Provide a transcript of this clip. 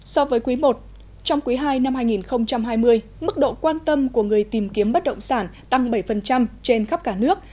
so với quý i trong quý ii năm hai nghìn hai mươi mức độ quan tâm của người tìm kiếm bất động sản tăng bảy trên khắp cả nước